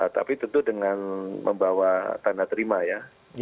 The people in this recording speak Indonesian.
tapi tentu dengan membawa tanda terima ya